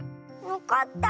わかった。